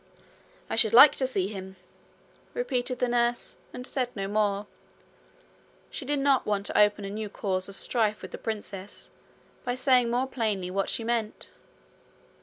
'I should like to see him!' repeated the nurse, and said no more. She did not want to open a new cause of strife with the princess by saying more plainly what she meant.